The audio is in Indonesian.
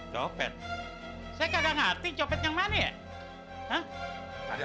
terakhir tadi tuh anaknya yang copet dompetnya ibu ini tau gak pak